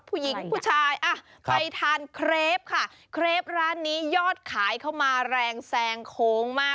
ผู้หญิงผู้ชายอ่ะไปทานเครปค่ะเครปร้านนี้ยอดขายเข้ามาแรงแซงโค้งมาก